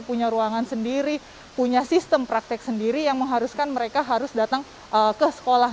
punya ruangan sendiri punya sistem praktek sendiri yang mengharuskan mereka harus datang ke sekolah